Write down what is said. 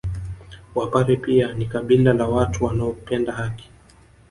Wapare pia ni kabila la watu wanaopenda haki